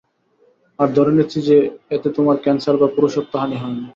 আর ধরে নিচ্ছি যে এতে তোমার ক্যান্সার বা পুরুষত্বহানি হয়নি।